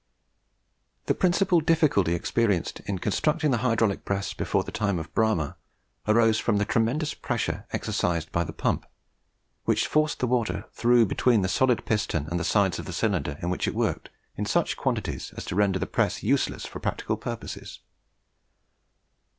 The principal difficulty experienced in constructing the hydraulic press before the time of Bramah arose from the tremendous pressure exercised by the pump, which forced the water through between the solid piston and the side of the cylinder in which it worked in such quantities as to render the press useless for practical purposes.